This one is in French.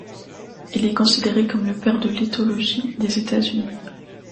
Il considéré comme le père de l’éthologie des États-Unis.